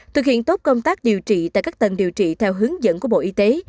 thực hiện tốt công tác điều trị tại các tầng điều trị theo hướng dẫn của bộ y tế